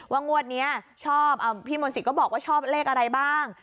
งวดนี้ชอบพี่มนศิษย์ก็บอกว่าชอบเลขอะไรบ้าง